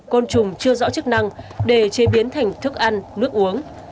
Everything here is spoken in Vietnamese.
côn trùng chưa rõ chức năng để chế biến thành thức ăn nước uống